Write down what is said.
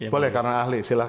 boleh karena ahli silahkan